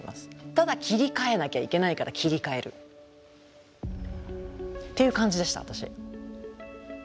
ただ切り替えなきゃいけないから切り替える。っていう感じでした私。